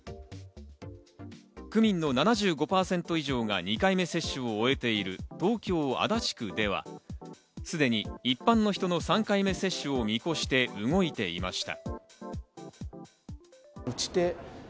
区民の７５％以上が２回目接種を終えている東京・足立区では、すでに一般の人の３回目接種を見越して動いていました。